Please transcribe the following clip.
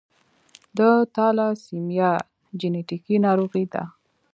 د تالاسیمیا جینیټیکي ناروغي ده.